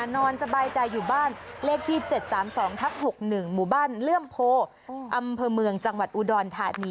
นอนสบายใจอยู่บ้านเลขที่๗๓๒ทับ๖๑หมู่บ้านเลื่อมโพอำเภอเมืองจังหวัดอุดรธานี